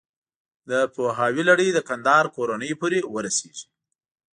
د پوهاوي لړۍ د کندهار کورنیو پورې ورسېږي.